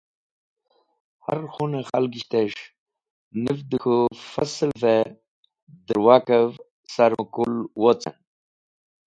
Har khun-e khalgishtes̃h niv dẽ k̃hũ fasl’v-e dẽrwakev sar mẽkul wocen.